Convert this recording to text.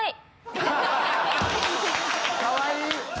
かわいい！